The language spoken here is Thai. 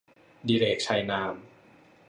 ดิเรก ชัยนาม